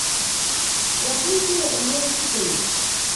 راتلونکۍ اونۍ څه کوئ؟